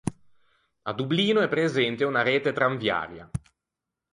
A Dublino è presente una rete tranviaria.